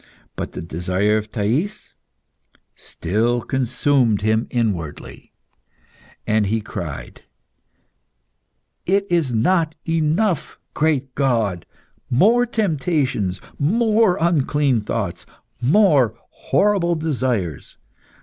But the desire of Thais still consumed him inwardly, and he cried "It is not enough, great God! More temptations! More unclean thoughts! More horrible desires!